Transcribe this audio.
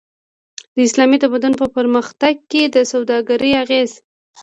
د اسلامي تمدن په پرمختګ کی د سوداګری اغیز